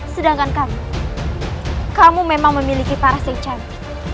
sedangkan kamu kamu memang memiliki paras yang cantik